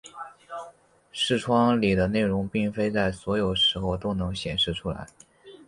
视窗里的内容并非在所有时候都能显示出来。